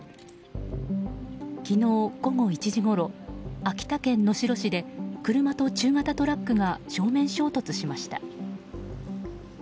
昨日午後１時ごろ秋田県能代市で車と中型トラックが正面衝突しました。